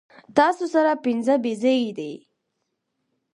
تاسو سره پنځۀ بيزې دي